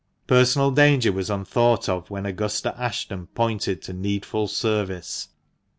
Personal danger was unthought of when Augusta Ashton pointed to needful service.